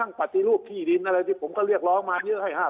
ทั้งปฏิรูปที่ดินอะไรผมก็เรียกร้องมาเยอะให้ห้า